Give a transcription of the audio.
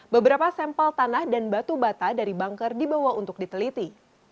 beberapa sampel tanah dan batu bata dari banker dibawa untuk diteliti